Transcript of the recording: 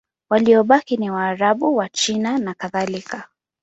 Waliobaki ni Waarabu, Wachina nakadhalika.